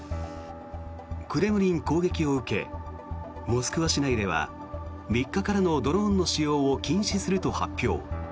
クレムリン攻撃を受けモスクワ市内では３日からのドローンの使用を禁止すると発表。